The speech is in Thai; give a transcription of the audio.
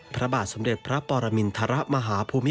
พระบาทสมเด็จพระปรมินทรมาฮภูมิพล